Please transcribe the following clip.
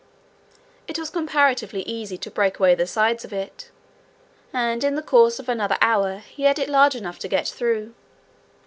It was comparatively easy to break away the sides of it, and in the course of another hour he had it large enough to get through.